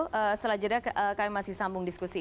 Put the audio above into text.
setelah jeda kami masih sambung diskusi